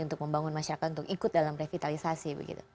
untuk membangun masyarakat untuk ikut dalam revitalisasi